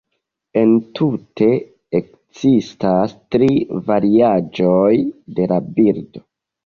Entute ekzistas tri variaĵoj de la bildo.